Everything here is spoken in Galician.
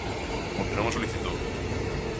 Porque non o solicitou.